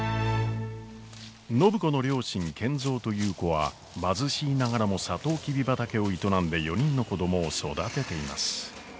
暢子の両親賢三と優子は貧しいながらもサトウキビ畑を営んで４人の子供を育てています。